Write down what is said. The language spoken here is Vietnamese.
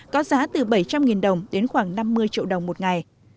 có giá từ bảy trăm linh đồng đến khoảng năm mươi triệu đồng một ngày